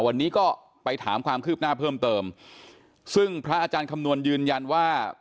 วันนี้ก็ไปถามความคืบหน้าเพิ่มเติมซึ่งพระอาจารย์คำนวณยืนยันว่า